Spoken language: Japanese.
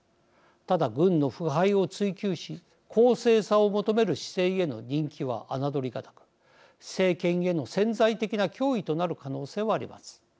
ただ軍の腐敗を追及し公正さを求める姿勢への人気は侮りがたく政権への潜在的な脅威となる可能性はあります。